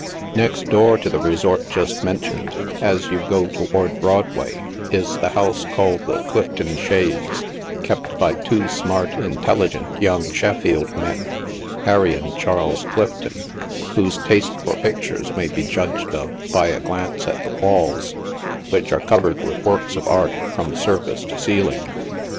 Next door to the resort just mentioned, as you go toward Broad way, is the house called the Clifton Shades, kept by two smart, in telligent young Sheffield men, Harry and Charles Clifton ; whose taste for pictures may be judged of by a glance at the walls, which are covered with works of art from surface to ceiling.